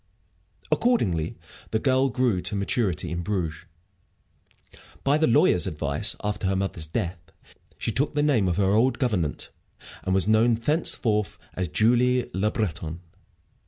Accordingly the girl grew to maturity in Bruges. By the lawyer's advice, after her mother's death, she took the name of her old gouvernante, and was known thenceforward as Julie Le Breton.